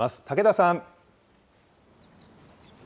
武田さん。